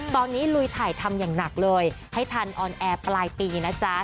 ตอนนี้ลุยถ่ายทำอย่างหนักเลยให้ทันออนแอร์ปลายปีนะจ๊ะ